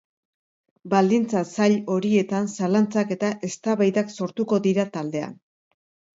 Baldintza zail horietan, zalantzak eta eztabaidak sortuko dira taldean.